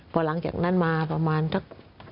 พอหลังจากนั้นมาประมาณสัก